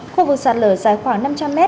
khu vực sạt lở dài khoảng năm trăm linh m